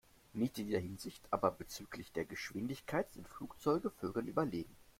Nicht in jeder Hinsicht, aber bezüglich der Geschwindigkeit sind Flugzeuge Vögeln überlegen.